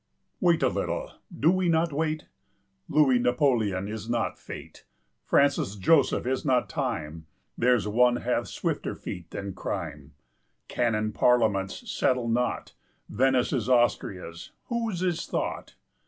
] Wait a little: do we not wait? Louis Napoleon is not Fate, Francis Joseph is not Time; There's One hath swifter feet than Crime; Cannon parliaments settle naught; 5 Venice is Austria's, whose is Thought?